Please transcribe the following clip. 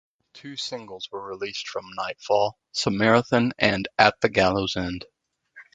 Two singles were released from "Nightfall": "Samarithan" and "At the Gallows End".